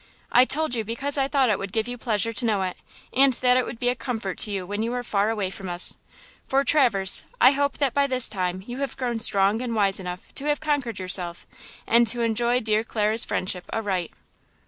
"I told you because I thought it would give you pleasure to know it, and that it would be a comfort to you when you are far away from us; for, Traverse, I hope that by this time you have grown strong and wise enough to have conquered yourself, and to enjoy dear Clara's friendship aright!"